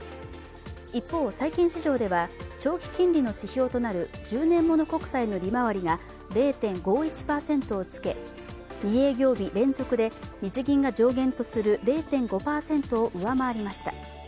一方、市場では長期金利の指標となる１０年もの国債の利回りが０．５１％をつけ２営業日連続で日銀が上限とする０．５％を上回りました。